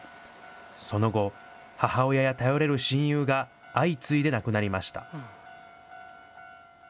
その後、母親や頼れる親友が相次いで亡くなりました。